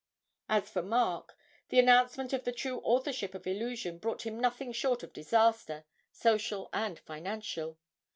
As for Mark, the announcement of the true authorship of 'Illusion' brought him nothing short of disaster, social and financial.